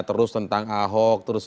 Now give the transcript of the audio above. terus tentang ahok